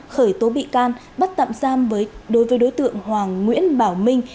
khởi tố bị can bắt tạm giam đối với đối tượng hoàng nguyễn bảo minh